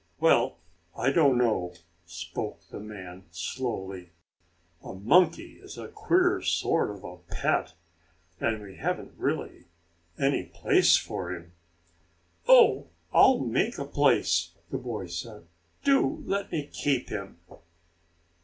"Well, I don't know," spoke the man, slowly. "A monkey is a queer sort of a pet, and we haven't really any place for him." "Oh, I'll make a place," the boy said. "Do let me keep him!"